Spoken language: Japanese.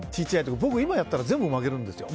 僕今やったら全部負けるんですよ。